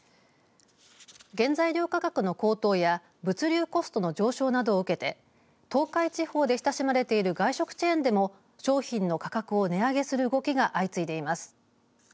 原材料価格の高騰や物流コストの上昇などを受けて東海地方で親しまれている外食チェーンでも商品の価格を値上げする動きが相次いでいます。